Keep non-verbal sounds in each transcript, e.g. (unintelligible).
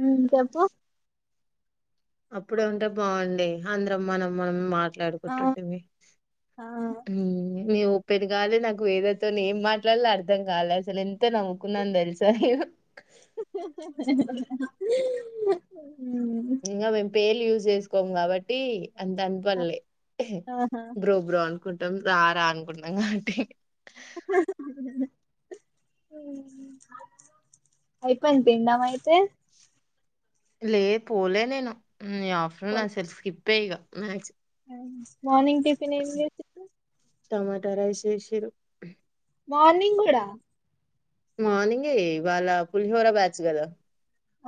మ్మ్ చెప్పు అప్పుడంత బాగుండె అందరం మనం మనం మా ట్లాడుకుంటుంటుమి మ్మ్ నేను ఓపెన్ కాలే నాకు విళ్ళతోనే ఏం మాట్లాడాలో అర్ధంకాలే అస్సలు ఎంత నవ్వుకున్నానో తెలుసా పోం కాబట్టి అంత అన్ పల్లే బ్రో బ్రో అన్ కుటుం ఆరా అనుకుంటాం కదండి అయిపోయిందా తినడం అయితే లే పోలే నేను నేను ఆఫ్టర్నూన్ సెర్చ్ కిఫ్ అంతే ఇగ మ్యాక్స్ మార్నింగ్ టిఫిన్ ఏం చేసిండ్రు ట రైస్ చేసిర్రు మార్నింగ్ కూడ మార్నింగే ఇవాళ పులిహోర బ్యాచ్ కద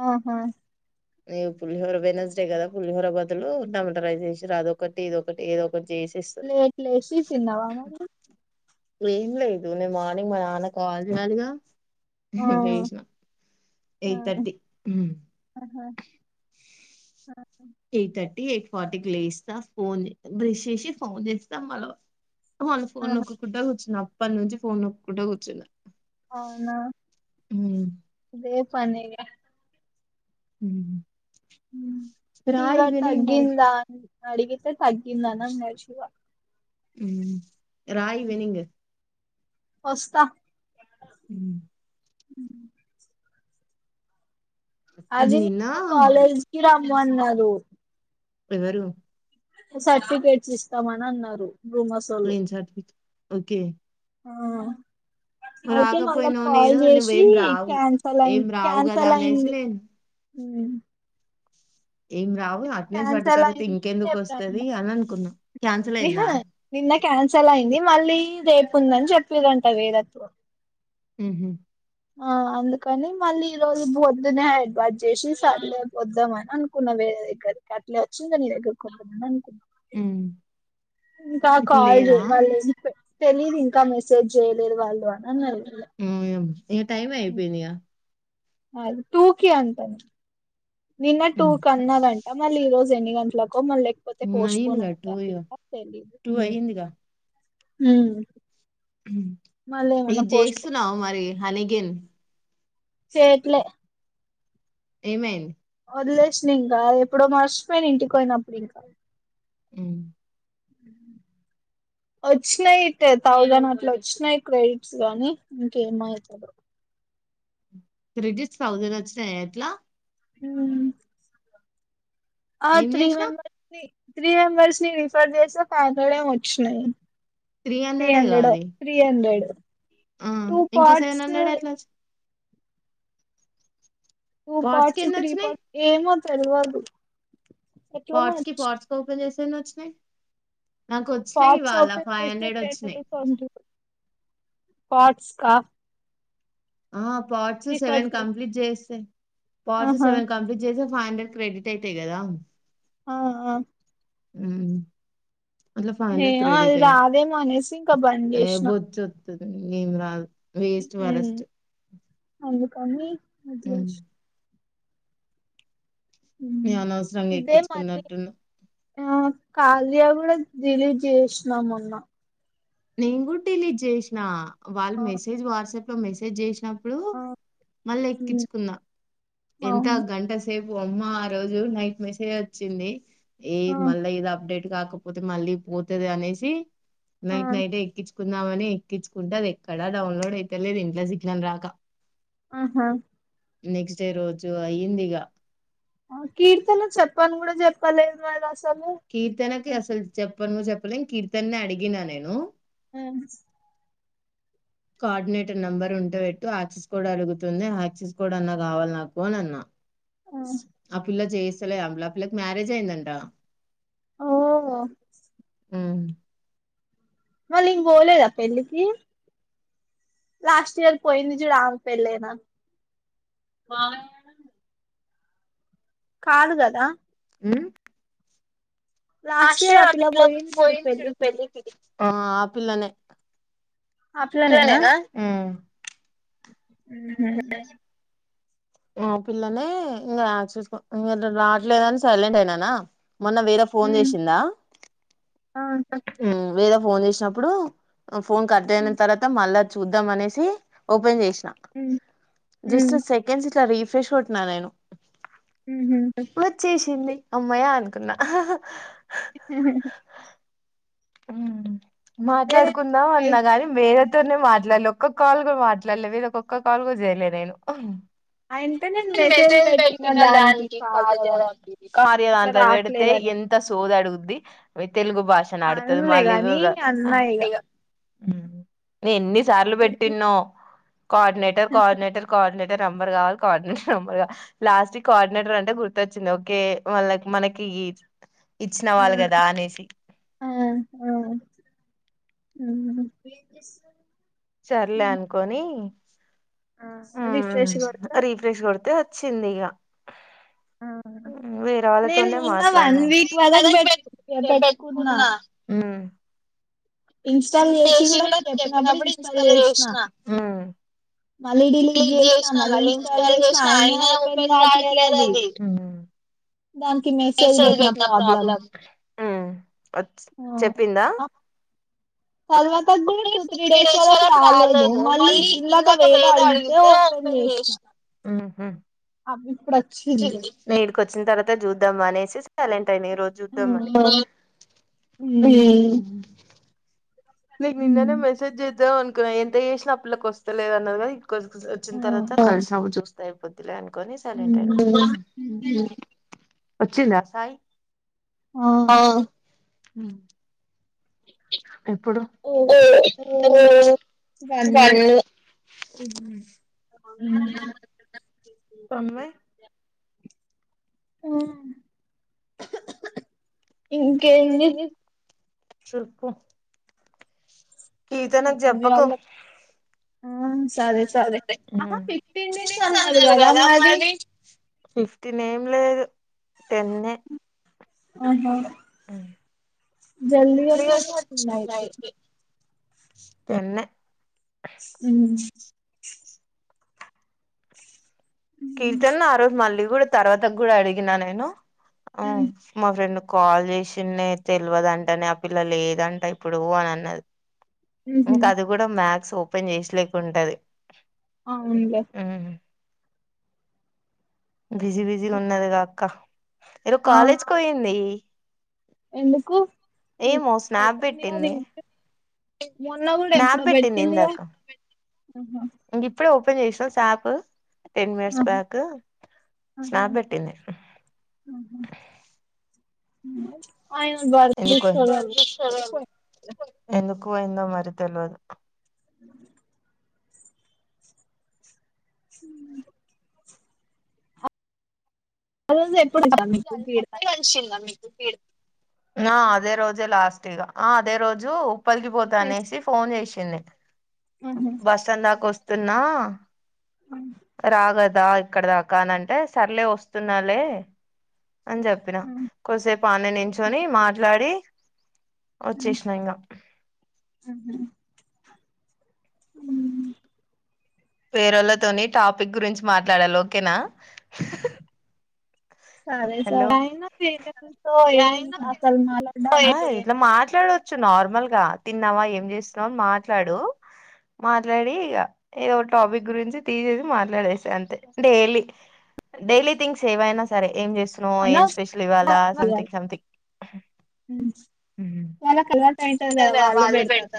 ఆహ నే పులిహోర వెనస్డే కధ పులిహోర బదులు టమోటా రైస్ చేసిన అదొక్కటి ఇదొక్కటి ఏదో ప్లేట్ల ఏసీ తిన్నావా మరి ఏం లేదు నేన్ మార్నింగ్ మానాన్నకు కాల్ (unintelligible) ఉహ్ లేసిన ఎయిట్ థర్టీ హు హా ఎయిట్ థర్టీ ఎయిట్ ఫార్టీకి లేస్తా ఫోన్ బ్రష్ చేసి ఫోన్ చేస్తా మళ్ళ వన్ పోన్ నొక్కుకుంట కూర్చున్న అప్ అప్పనుంచి ఫోన్ నొక్కుంటా కూర్చున్న అవునా అదే పనిఇగ హు ఫీవర్ తగ్గిందా అడిగితే తగ్గింద అని అన్నది శివ రా ఈవినింగ్ వస్తా అ (inaudible) అది (unintelligible) కాలేజ్కి రం మన్నరు ఎవరు సర్టిఫికేట్స్ ఇస్తామని అన్నారు రూ మసొల్లు ఓకే ఆ అయితే మళ్ళా కాల్ చేసి క్యాన్సల్ అయింది క్యాన్సల్ అయింది హు ఏం రావ్ క్యాన్సల్ అయింది (unintelligible) అహ నిన్న క్యాన్సల్ అయింది మళ్ళీ రేపు ఉందని చెప్పిరంట వీరత్ హు ఆ అందుకని మళ్ళీ ఈ రోజు పోద్దునే హెడ్ బత్ చేసి సర్లే రేపోొద్దామని అనుకున్నా వేరే దగ్గరికి అట్లే వచ్చి ఇగ నీ దగ్గర కొద్దమని అన్ ఇంకా కాల్ చెయ్ వాళ్ళు ఎంపె తెలీదు ఇంకా మెసేజ్ చేయలేదు వాళ్ళు అని అన్న (unintelligible) ఇ టైమ్ అయిపోయిందిగ అ టూకి అంట నిన్న టూ క అన్నది అంట మళ్ళీ ఈ రోజు జన్ని గంటల క్క మ లేకపోతే పోస్ట్పోన్ అయిందో తెలీదు ఊ మల్లెమన్న పోస్టుఫోన్ అలిగేన్ చేట్లే ఏమైంది వదిలేసిన ఇంకా ఎప్పుడో మర్చిపోయిన ఇంటికి పోయినప్పుడు ఇంకా. ఉ వచ్చినాయి థౌజండ్ అట్లా వచ్చినాయి, క్రెడిట్స్ గానీ ఇంకేమవుతారు. క్రెడిట్స్ థౌసండ్ వచ్చినాయా ఎట్లా ఊ ఆ three members three members refer చేసిన ఫైవ్ హండ్రెడ్ ఏమో వచ్చినయి three hundred, three hundred two parts లో టూ పర్ట్స్, త్రీ పర్ట్స్ ఏ మొ తెలువదు పోర్ట్స్ కి, పోర్ట్స్ ఓపెన్ చేస్త తన్ వచ్చన్నాయి? పార్ట్స్ ఓపెన్ చేస్తే టెన్ ను ఫోర్టీ టు పట్స్కా ఆ పార్ట్స్ సెవెన్ కంప్లీట్ చేస్తే పార్ట్స్ సెవన్ కంప్లీట్ జస ఫైవ్ హండ్రెడ్ క్రెడిట్ అయితేయి కదా. ఆ ఆ ఊ హె అవి రావే మనేసి బంద్ చేసిన ఎంద రా వేస్ట్ వారెస్ట్ అందుకని అదిలాష్ జ్ఞా అనవసరంగా ఎక్కించుకున్నట్టున్నా ఖళయా కూడా రిలీజ్ చేసినాం మోన్న నేను కూడా డీలీజ్ చేసినా వాళ్ళు మెసేజ్ వాట్సాప్ మేసే జ్ చేసిన ఇప్పుడు మళ్ళీ ఎక్కించుకున్న ఎంత గంట సేపు బో అమ్మ ఆ రోజు నైట్ మెసే వచ్చింది ఏ మళ్ళ ఇది అప్డేట్ కాకపోతే మళ్ళీ పోతది అనేసి నైటే ఎక్కిచ్ కుందామని ఎక్కించుకుంటే అది ఎక్కడా డౌన్లోడ్ అయితలేదు ఇంట్లో సిగ్నల్ రాక ఆహా నెక్స్ట్ డే రోజు అయ్యింది ఇక ఆ కీర్తన చెప్పని కూడా చెప్పలేదు అది అసలు కీర్తనకి అసలు చెప్పనుము చెప్పలేం కీర్తనని అడిగిన నేను ఆ కోఆర్డినేటర్ నెంబర్ ఉంటేబెట్టు యాక్సిస్ కోడ్ అడుగుతుంది యాక్సిస్ కోడ్ అన్నా కావాలి నాకు అని అన్నా ఆ పిల్ల చేసి అ పిల్లకి మ్యారేజ్ అయిందంటా ఆఓ ఆ మళ ఇం బోలేద పెళ్లికి లాస్ట్ ఇయర్ పోయింది చూడు ఆమే పేళ్ళేనా హ్మూ ఆషలా పోయింది చూడు పెళ్ళికి ఆ ఆపిల్లనే హ్ము ఆ హ ఆ పిల్లనే ఇంకా చూసుకో ఇ రావట్లేదని సైలెంట్ అయినానా మొన్న విర ఫోన్ చేసిందా వీర ఫోన్ చేసినప్పుడు ఫోన్ కర్దే అయిన తర్వాత మళ్ళా చూద్దాం అనేసి ఓపెన్ చేసినాం జస్ట్ సెకండ్స్ ఇలా రీఫ్ ఫ్రెష్ కోట్న నేను మ్మ్ చేసింది అమ్మాయే అనుకున్నా ఉమ్మ్ మాట్లాడుకుందాం అన్నా గాని మే (unintelligible) తోనే మాట్లాడలే ఒక్క కాల్ కూడా మాట్లాడలే మీరు ఒక్క కాల్ కూడా చెయ్ లే నేను న మెసేజ్ పెట్టిన దానికి కాల్ చెయ్యడానికి కార్య దాంట్లో పెడితే ఎంత సోదడుగు ది వ తెలుగు భాష నాడు తది మళ్ళీ (unintelligible) ఉమ్ ఎన్ని సార్లు పెట్టినో కోఆర్డినేటర్ కోఆర్డినేటర్ కోఆర్డినే గ నెంబర్ కావాలి కో ఆర్డినేటర్ నెంబర్ కా లాస్ట్ కో ఆర్డినేటర్ అంటే గుర్తొచ్చింది ఓకే మళ్ళ మనకి ఇచ్చిన వాళ్ళు కదా అనేసి ఆ ఉమ్ సర్లే అనుకోని హ్మ్ రిఫ్రెష్ కొడితే చ్చింది ఇగ హ్మ్ వేరే వాళ్ళతోనే మాట్లాడిన హ్మ్ ఇన్స్టాల్ చేసి కూడా నువ్ చెప్పినప్పుడు ఇన్స్టాల్ చేసినా మళ్ళీ డిలీట్ చేసినా మళ్ళీ ఇన్స్టాల్ చేసినా అయినా ఓపెన్ కావట్లేదది దానికి మెసేజ్ పెట్టిన ప్రాబ్లం. వచ్ చెప్పిందా తర్వాత కూడా టూ త్రీ డేస్ వరకు రాలేదు మళ్ళీ ఇందాక వేద అడిగితే ఓపెన్ చేసిన. ఊహూ అబ్ వేడు కొచ్చిన తర్వాత చూద్దాం అనేసి సైలెన్ టైనా ఈ రోజ చూద్దామని నీకు నిన్ననే మెసేజ్ చేద్ ద్దాం అనుకున్నా ఎంత చేసినా ఆ పిల్లకు వస్తలేదు అన్నది కదా (unintelligible) వచ్చిన తర్వాత. అయిపోద్దిలే అను కొన్ని సైలెంట్ అయిన వచ్చిందా సాయి ఆ. హ్మ్. ఎప్పుడు వన్ హ్మ్. హ్మ్ మమ్మీ. ఆ. ఇంకేంది చెప్పు. (unintelligible) ఆ సరే సరే లేదు టేనే ఆహా జల్ది గానే వచ్చున్నా అయితే టెనేే హ్మ్ కీర్తన్ ఆ రోజు మళ్ళీ కూడ తర్వాత గూడా అడిగిన నేనూ ఆ మా ఫ్రెండ్ కాల్ చేసిన్నే తేల్వదంటనే ఆ పిల్ల లేదంట ఇప్పుడూ అని అన్నది ఇంక అది గూడ మ్యాథ్స్ ఓపెన్ చేసిలేక ఉంటది అవునులే బిజీ బిజీ గా ఉన్నాదిగా అక్క ఏదో కాలేజ్కి పోయిందీ ఎందుకూ మొన్న గూడ ఎప్పుడో పెట్టిందిగా ఆహ ఇంగ ఇప్పుడే ఓపెన్ చేసిన snap ten minutes back snap పెట్టింది (inaudible) ఎందుకు పోయింది ఎందుకు కు పోయిందో మరి తెల్వదు ఆ రోజూ ఎప్పుడూ వచ్చినావ్ ఆ అదే రోజే లాస్ట్ ఇగ ఆ అదే రోజు బయటకి పోతా అనేసి ఫోన్ చేసి సింది బస్టాండ్ దాక్ వస్ నిన్నా రాగ దా ఇక్కడ దాకా అనంటే సర్లే వస్తున్నాలే అని చెప్పిన కొద్దిసేపు ఆడ్నే నించొనీ మాట్లాడీ వచ్చేశిన ఇంగా ఊ పేర్ళ్లతోని టాపిక్ గురించి మాట్లాడాలి ఓకేనా సరే సరే ఐనా పేర్లతోటి ఏమన్న మాట్లాడానికి ఏం ఉంటదే నార్మల్గా తిన్నామా ఏం చేస్తున్నాంని మాట్లాడు మాట్లాడి ఇ ఏదో టాపిక్ గురించి తీసేసి మాట్లాడే అంతే డైలీ డైలీ థింగ్స్ ఏవైనా సరే ఏం చే ఏ స్పెషల్ ఇవ్వాల సథింగ్ సథింగ్ వా పెడ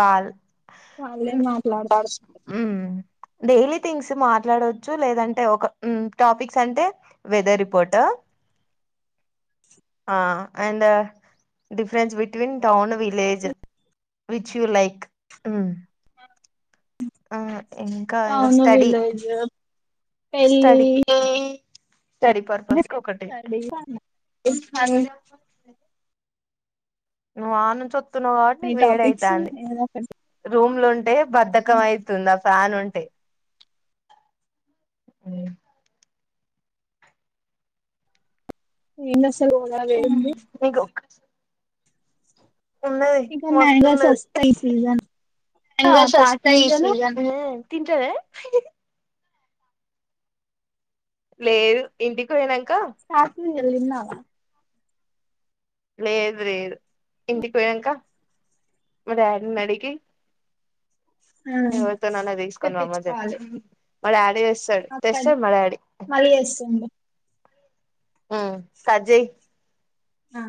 వాల్ డైలీ థింగ్స్ మాట్లాడచ్చు లేదంటే ఒక టాపిక్స్ అంటే weather report and difference between town village which like uh ఇంకా ఇంకా స్టడ స్టడి సర పర్పస్ ఒకటి ఇ సం అ ను ను చ స్తున్నావు కాబట్టి నీ వేడైతాంది రూమ్ లో ఉంటే బద్దకయతుంద తాను ఉంటాయి ఇన్న గడా వేయంంది ఉన్నది మస్తున్నది బంగాస్ వస్తాయి తింటద లేదు ఇంటికి పోయినాక స రిలిన్నావా లేదు లేదు ఇంటికి పోయినంక మా డాడీని అడిగి ఎవరితోనన్న తీసుకొని రమ్మని చెప్తా మా డాడీ డు తెస్తాడు మా డాడీ ఉమ్ కట్ చెయ్ ఆ